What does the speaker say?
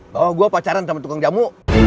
bahwa gue pacaran sama tukang jamu